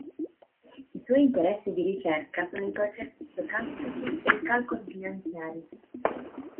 I suoi interessi di ricerca sono i processi stocastici ei calcoli finanziari.